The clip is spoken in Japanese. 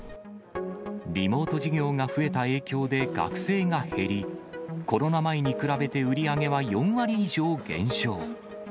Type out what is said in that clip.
リモート授業が増えた影響で学生が減り、コロナ前に比べて売り上げは４割以上減少。